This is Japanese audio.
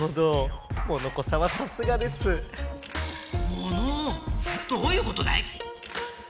モノオどういうことだい？